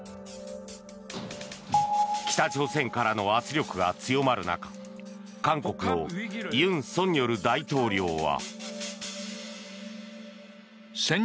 北朝鮮からの圧力が強まる中韓国の尹錫悦大統領は。